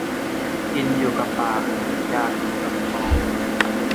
กินอยู่กับปาก อยากอยู่กับท้อง